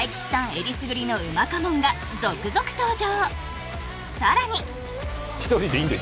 えりすぐりのうまかもんが続々登場！